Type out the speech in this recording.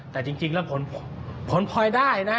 แต่จริงแล้วผลพลอยได้นะ